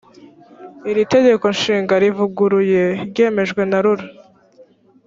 iri tegeko nshinga rivuguruye ryemejwe na rura